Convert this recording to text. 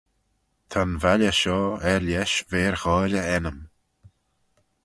Ta'n valley shoh er-lesh v'er ghoaill e ennym.